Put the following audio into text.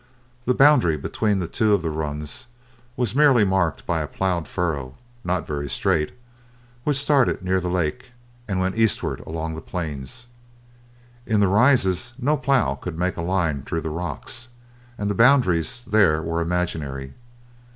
The boundary between two of the runs was merely marked by a ploughed furrow, not very straight, which started near the lake, and went eastward along the plains. In the Rises no plough could make a line through the rocks, and the boundaries there were imaginary.